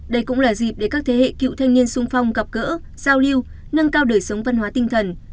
đây cũng là dịp để các thế hệ cựu thanh niên sung phong gặp gỡ giao lưu nâng cao đời sống văn hóa tinh thần